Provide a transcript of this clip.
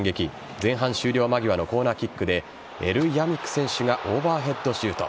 前半終了間際のコーナーキックでエルヤミク選手がオーバーヘッドシュート。